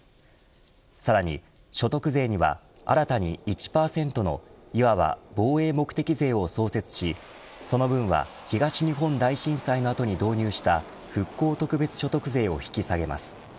さらに所得税には新たに１％のいわば防衛目的税を創設しその分は、東日本大震災の後に導入した復興特別所得税を引き下げます。